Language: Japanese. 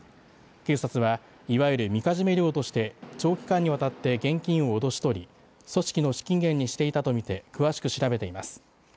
警察はいわゆる、みかじめ料として長期間にわたって現金を脅し取り組織の資金源にしていたと見て詳しく調べています。